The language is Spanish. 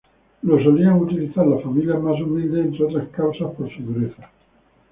Lo solían utilizar las familias más humildes entre otras causas por su dureza.